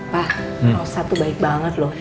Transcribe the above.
pak rosa tuh baik banget loh